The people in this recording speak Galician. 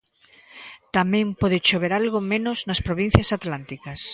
Tamén pode chover algo menos nas provincias atlánticas.